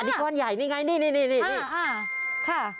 อันนี้ก้อนใหญ่นี่ไงนี่อ้าวค่ะ